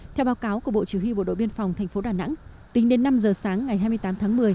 theo báo cáo của bộ chủ yếu bộ đội biên phòng thành phố đà nẵng tính đến năm giờ sáng ngày hai mươi tám tháng một mươi